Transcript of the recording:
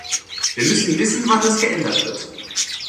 Wir müssen wissen, wann das geändert wird.